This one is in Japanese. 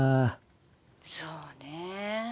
「そうね。